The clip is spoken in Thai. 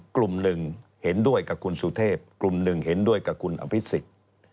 กลุ่มหนึ่งเห็นด้วยกับคุณสุเทพกลุ่มหนึ่งเห็นด้วยกับคุณอภิษฎ